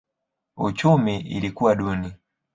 Uchumi ilikuwa duni.